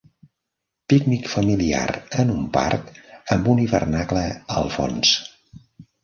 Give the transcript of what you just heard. Pícnic familiar en un parc amb un hivernacle al fons.